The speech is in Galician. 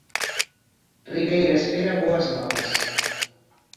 Ribeira espera boas novas.